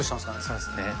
そうですね。